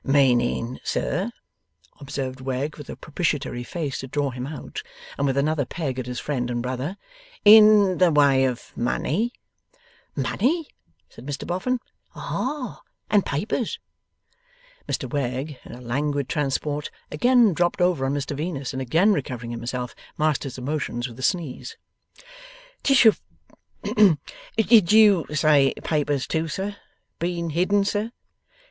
'Meaning sir,' observed Wegg, with a propitiatory face to draw him out, and with another peg at his friend and brother, 'in the way of money?' 'Money,' said Mr Boffin. 'Ah! And papers.' Mr Wegg, in a languid transport, again dropped over on Mr Venus, and again recovering himself, masked his emotions with a sneeze. 'Tish ho! Did you say papers too, sir? Been hidden, sir?